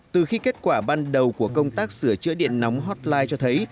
từ khi kết quả ban đầu của công tác sửa chữa điện nóng hotline cho thấy